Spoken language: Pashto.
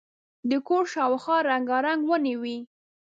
د کور شاوخوا رنګارنګ ونې وې.